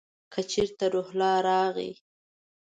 که چېرته روح الله راغی !